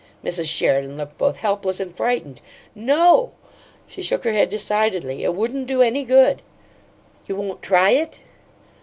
Mrs. Sheridan looked both helpless and frightened. "No." She shook her head decidedly. "It wouldn't do any good." "You won't try it?"